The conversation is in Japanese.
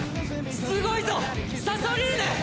すごいぞサソリーヌ！